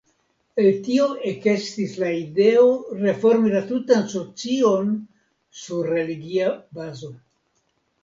El tio ekestis la ideo reformi la tutan socion sur religia bazo.